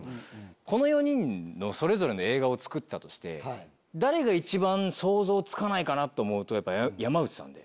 この４人のそれぞれの映画を作ったとして誰が一番想像つかないかなと思うと山内さんで。